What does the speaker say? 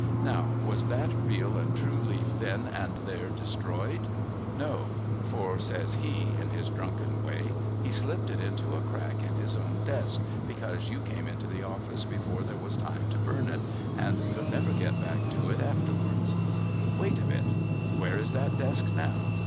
Now was that real and true leaf then and there destroyed ? No, — for says he, in his drunken way, he slipped it into a crack in his own desk, because you came into the office before there was time to burn it, and could never get back to it arterwards. Wait a bit. Where is that desk now